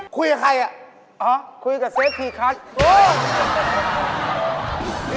คุยกับใครคุยกับเซฟทีขัด